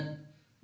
cơ sở quan trọng